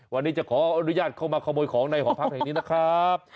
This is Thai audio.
วันนี้จะขออนุญาตเข้ามาขโมยของในหอพักแห่งนี้นะครับ